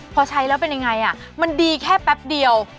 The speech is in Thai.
พอใช้แล้วเป็นยังไงมันดีแค่แป๊บเดียว